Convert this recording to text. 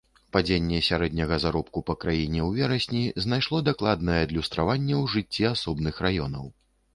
Падзенне сярэдняга заробку па краіне ў верасні знайшло дакладнае адлюстраванне ў жыцці асобных раёнаў.